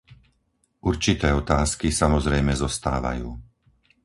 Určité otázky samozrejme zostávajú.